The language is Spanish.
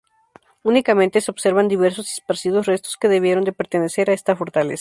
Únicamente se observan diversos y esparcidos restos que debieron de pertenecer a esta fortaleza.